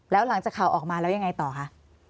แล้วหลังจากข่าวออกมาแล้วยังไงต่อคะ